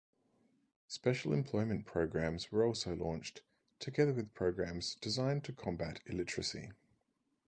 Special employment programmes were also launched, together with programmes designed to combat illiteracy.